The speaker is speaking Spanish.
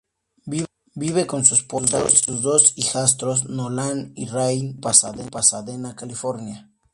Vive con su esposa y sus dos hijastros, Nolan y Ryan, en Pasadena, California.